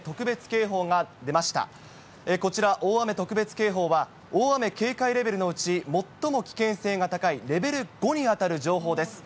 こちら、大雨特別警報は、大雨警戒レベルのうち最も危険性が高いレベル５に当たる情報です。